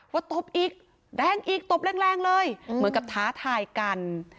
ตบอีกแรงอีกตบแรงเลยเหมือนกับท้าทายกัน